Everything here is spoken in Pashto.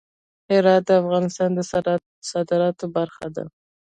هرات د افغانستان د صادراتو برخه ده.